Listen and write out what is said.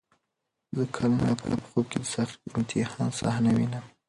زه کله ناکله په خوب کې د سخت امتحان صحنه وینم.